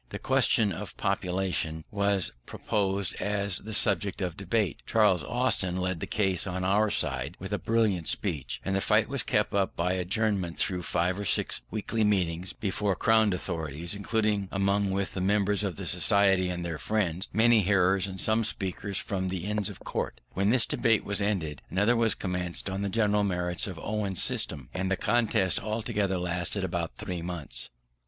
The question of population was proposed as the subject of debate: Charles Austin led the case on our side with a brilliant speech, and the fight was kept up by adjournment through five or six weekly meetings before crowded auditories, including along with the members of the Society and their friends, many hearers and some speakers from the Inns of Court. When this debate was ended, another was commenced on the general merits of Owen's system: and the contest altogether lasted about three months.